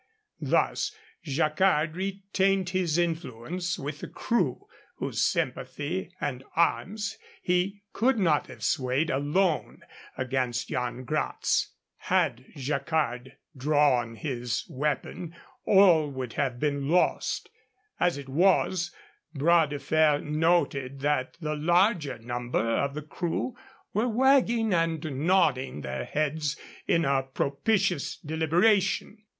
Thus Jacquard retained his influence with the crew, whose sympathy and arms he could not have swayed alone against Yan Gratz. Had Jacquard drawn his weapon, all would have been lost. As it was, Bras de Fer noted that the larger number of the crew were wagging and nodding their heads in a propitious deliberation.